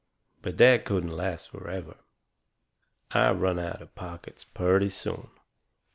But that couldn't last forever. I run out of pockets purty soon.